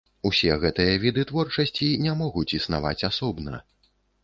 Усе гэтыя віды творчасці не могуць існаваць асобна.